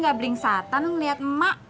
be gak belingsatan liat emak